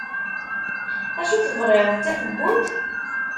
Acu tebɣiḍ d tafeggunt?